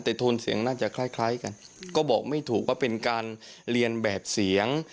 แต่โทนเสียงน่าจะคล้ายกันก็บอกไม่ถูกว่าเป็นการเรียนแบบเสียง